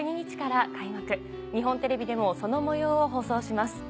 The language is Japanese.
日本テレビでもその模様を放送します。